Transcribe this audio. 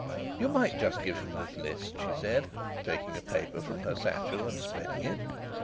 "You might just give him this list," she said, taking a paper from her satchel and spreading it.